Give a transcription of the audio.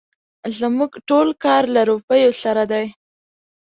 زموږ ټول کار له روپيو سره دی.